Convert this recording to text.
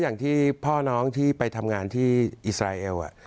อย่างที่พ่อน้องที่ไปทำงานที่อิสราเอล